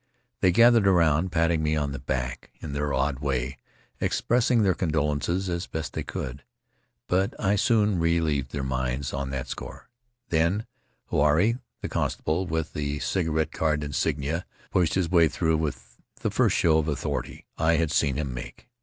They gathered around, patting me on the back in their odd way, expressing their condolences as best they could, but I soon relieved their minds on that score. Then Huirai, the constable with the cigarette card insignia, pushed his way through with the first show of authority I had seen him make.